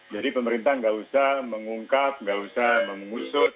jadi pemerintah nggak usah mengungkap nggak usah mengusut